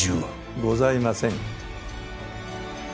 ございません。